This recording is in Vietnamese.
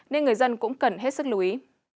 nên người dân cũng cần hết sức lưu ý